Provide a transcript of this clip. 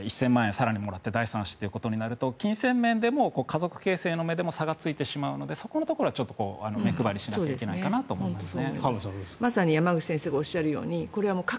更にもらって第３子となると金銭面でも家族形成の面でも差がついてしまうのでそこのところは目配りしなきゃいけないかなと思いますね。